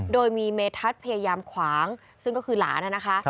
โดยมีเมทัศน์พยายามขวางซึ่งก็คือหลานนะคะ